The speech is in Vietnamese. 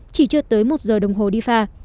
chỉ chưa tới một giờ đồng hồ đi pha